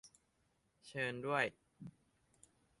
- เชิญด้วย